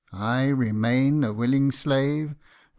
I remain a willing slave